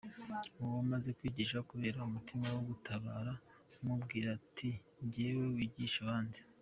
Uwo maze kwigisha kubera umutima wo gutabara nkamubwira nti genda wigishe abandi.